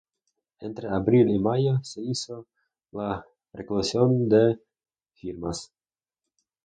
Entre abril y mayo se hizo la recolección de firmas.